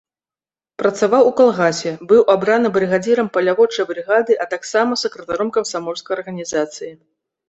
Працаваў у калгасе, быў абраны брыгадзірам паляводчай брыгады, а таксама сакратаром камсамольскай арганізацыі.